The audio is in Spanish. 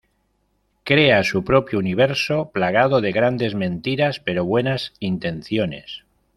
Crea su propio universo, plagado de grandes mentiras, pero buenas intenciones.